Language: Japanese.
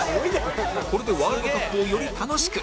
これでワールドカップをより楽しく！